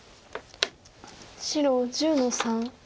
白１０の三。